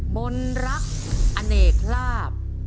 มนรักอเนกลาบ